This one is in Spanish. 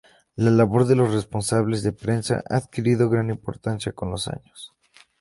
La labor de los responsables de prensa ha adquirido gran importancia con los años.